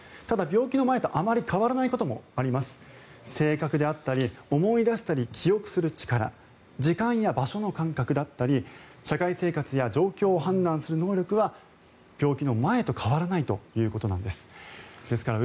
ただ病気の前とあまり変わらないこともあります性格であったり思い出したり記憶する力時間や場所の感覚だったり社会生活や状況を判断する能力は病気の前と変わらないということです。